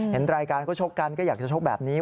เห็นรายการก็ชกกันก็อยากจะชกแบบนี้